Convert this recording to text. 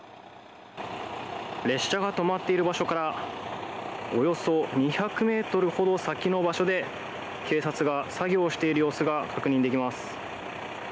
列車が止まっている場所からおよそ２００ｍほど先の場所で警察が作業している様子が確認できます。